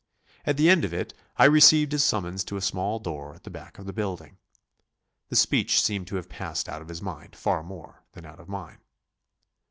At the end of it I received his summons to a small door at the back of the building. The speech seemed to have passed out of his mind far more than out of mine.